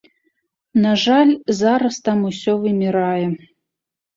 На жаль, зараз там усё вымірае.